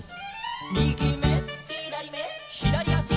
「みぎめ」「ひだりめ」「ひだりあし」